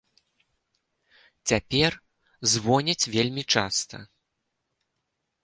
Цяпер звоняць вельмі часта.